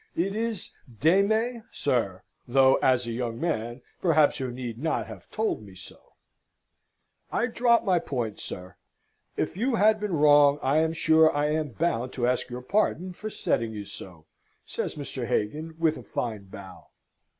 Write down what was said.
"It is de me, sir though, as a young man, perhaps you need not have told me so." "I drop my point, sir! If you have been wrong, I am sure I am bound to ask your pardon for setting you so!" says Mr. Hagan, with a fine bow.